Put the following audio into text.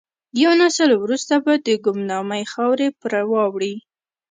یو نسل وروسته به د ګمنامۍ خاورې پر واوړي.